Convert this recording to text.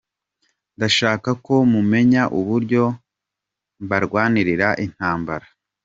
Ndashaka ko mumenya uburyo mbarwanira intambara